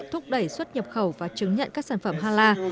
thúc đẩy xuất nhập khẩu và chứng nhận các sản phẩm hala